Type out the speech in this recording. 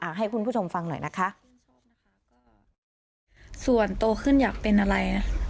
ให้คุณผู้ชมฟังหน่อยนะคะก็ส่วนโตขึ้นอยากเป็นอะไร